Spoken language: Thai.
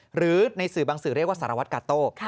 หรือในสื่อบางสื่อเรียกว่าสารวัตรกาโต้